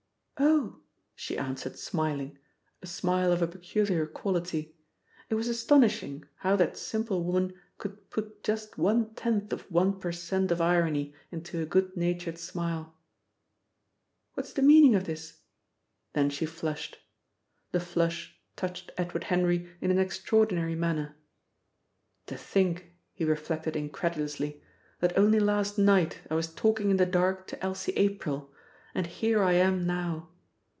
"Oh!" she answered smiling, a smile of a peculiar quality. It was astonishing how that simple woman could put just one tenth of one per cent. of irony into a good natured smile. "What's the meaning of this?" Then she flushed. The flush touched Edward Henry in an extraordinary manner. ("To think," he reflected, incredulously, "that only last night I was talking in the dark to Elsie April and here I am now!"